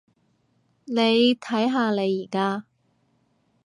你睇下你而家？